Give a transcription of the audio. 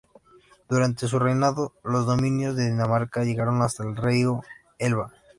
Durante su reinado, los dominios de Dinamarca llegaron hasta el río Elba.